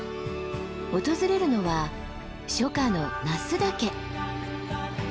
訪れるのは初夏の那須岳。